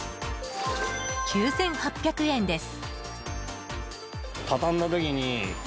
９８００円です。